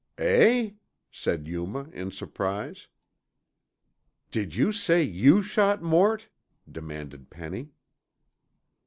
_" "Eh?" said Yuma in surprise. "Did you say you shot Mort?" demanded Penny.